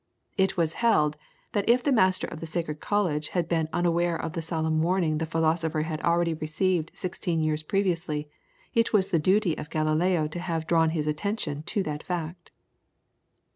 It was held, that if the Master of the Sacred College had been unaware of the solemn warning the philosopher had already received sixteen years previously, it was the duty of Galileo to have drawn his attention to that fact.